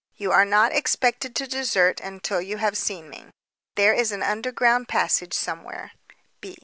You are not expected to desert until you have seen me. There is an underground passage somewhere.